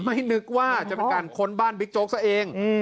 ไม่นึกว่าจะเป็นการค้นบ้านบิ๊กโจ๊กซะเอง